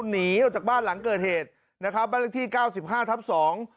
หนีออกจากบ้านหลังเกิดเหตุนะครับบ้านเลขที่เก้าสิบห้าทับสอง